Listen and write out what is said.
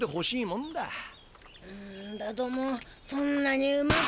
んだどもそんなにうまく。